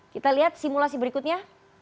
kita lihat simulasi berikutnya